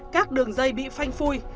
các đường dây bị phanh phui